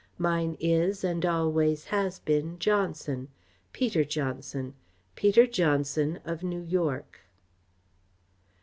Mine is and always has been Johnson Peter Johnson Peter Johnson of New York."